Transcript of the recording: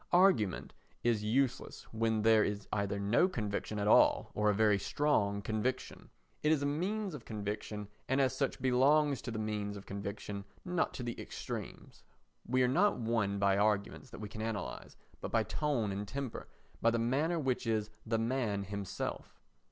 Argument is useless when there is either no conviction at all or a very strong conviction. It is a means of conviction and as such belongs to the means of conviction, not to the extremes. We are not won by arguments that we can analyse, but by tone and temper, by the manner which is the man himself.